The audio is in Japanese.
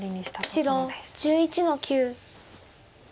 白１１の九。